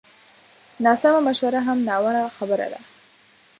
ناسمه مشوره هم ناوړه خبره ده